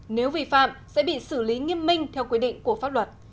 nếu vi phạm sẽ bị xử lý nghiêm minh theo quy định của pháp luật